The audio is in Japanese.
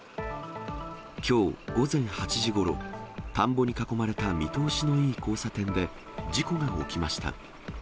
きょう午前８時ごろ、田んぼに囲まれた見通しのいい交差点で事故が起きました。